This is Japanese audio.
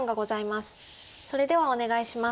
それではお願いします。